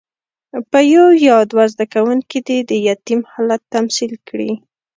یو یا دوه زده کوونکي دې د یتیم حالت تمثیل کړي.